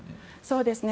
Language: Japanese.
そうですね。